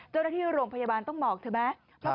เจ้านักที่รรมพยาบาลต้องหมอบเธอไหม